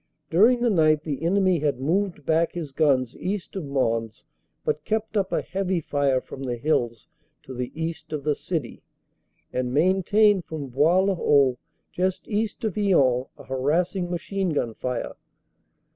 During the night the enemy had moved back his guns east of Mons, but kept up a heavy fire from the hills to the east of the city, and maintained from Bois le Haut, just east of Hyon, a harassing machine gun fire.